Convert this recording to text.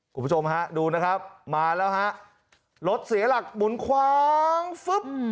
คุณผู้ชมฮะดูนะครับมาแล้วฮะรถเสียหลักหมุนคว้างฟึ๊บ